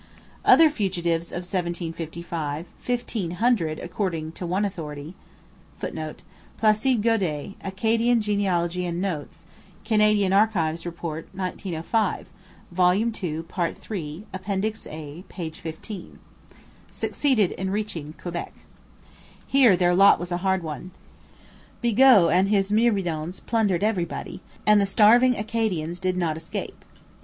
Other fugitives of 1755, fifteen hundred, according to one authority, [Footnote: Placide Gaudet, 'Acadian Genealogy and Notes,' Canadian Archives Report, 1905. vol. ii, part iii, Appendix A, p. xv.] succeeded in reaching Quebec. Here their lot was a hard one. Bigot and his myrmidons plundered everybody, and the starving Acadians did not escape.